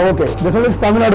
oke ini adalah makanan tamil nadu